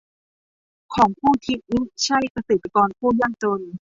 ของผู้ที่มิใช่เกษตรกรผู้ยากจน